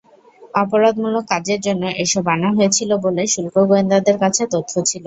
অপরাধমূলক কাজের জন্য এসব আনা হয়েছিল বলে শুল্ক গোয়েন্দাদের কাছে তথ্য ছিল।